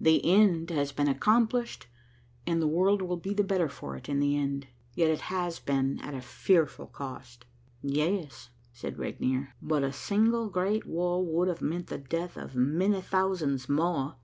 The end has been accomplished, and the world will be the better for it in the end. Yet it has been at a fearful cost." "Yes," said Regnier, "but a single great war would have meant the death of many thousands more."